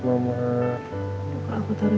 biasanya disini gak patah kan